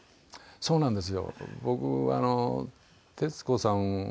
そうなんですよ。